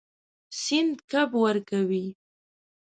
سیند کب ورکوي.